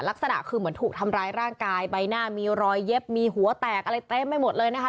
ลักษณะคือเหมือนถูกทำร้ายร่างกายใบหน้ามีรอยเย็บมีหัวแตกอะไรเต็มไปหมดเลยนะคะ